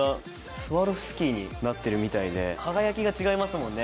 スワロフスキーになってるみたいで輝きが違いますもんね。